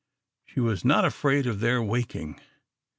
She was not afraid of their waking.